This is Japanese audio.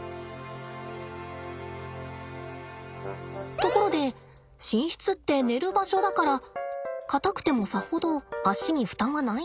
ところで寝室って寝る場所だから硬くてもさほど足に負担はないんじゃって思いません？